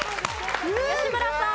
吉村さん。